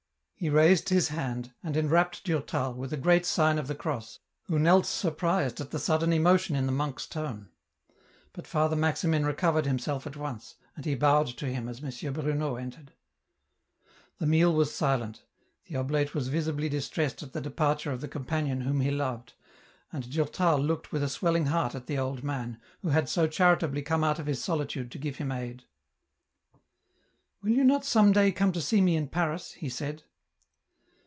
He raised his hand, and enwrapped Durtal, with a great sign of the cross, who knelt surprised at the sudden emotion in the monk's tone. But Father Maximin recovered himself at once, and he bowed to him as M. Bruno entered. The meal was silent ; the oblate was visibly distressed at the departure of the companion whom he loved, and Durtal looked with a swelling heart at the old man, who had so charitably come out of his solitude to give him aid. '* Will you not come some day to see me in Paris ?" he said.